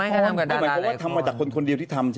ไม่หมายความว่าทำกับคนเดียวที่ทำ